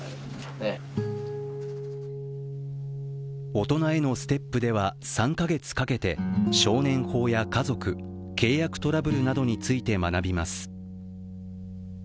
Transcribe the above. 大人へのステップでは３か月かけて、少年法や家族、契約トラブルなどについて学びます。